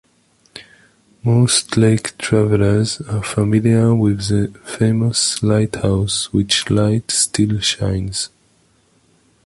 Most lake travellers are familiar with the famous lighthouse which light still shines.